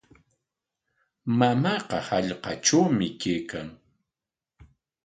Mamaaqa hallqatrawmi kaykan.